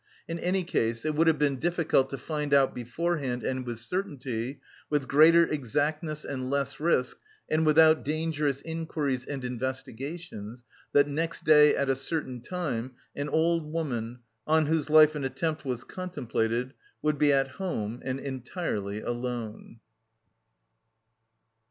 In any case, it would have been difficult to find out beforehand and with certainty, with greater exactness and less risk, and without dangerous inquiries and investigations, that next day at a certain time an old woman, on whose life an attempt was contemplated, would be at home and entirely alone.